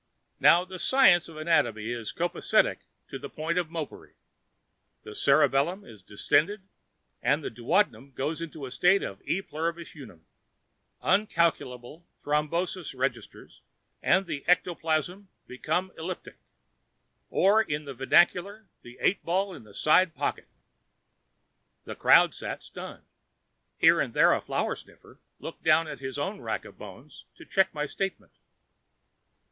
Now, the science of anatomy is copacetic to the point of mopery. The cerebellum is distended and the duodenum goes into a state of e pluribus unum. Incalculably, thrombosis registers and the ectoplasm becomes elliptic. Or, in the vernacular, the eight ball in the side pocket." The crowd sat stunned. Here and there, a flower sniffer looked down at his own rack of bones to check my statement.